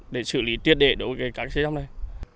để xử lý tiệt đệ đối với các xe răm này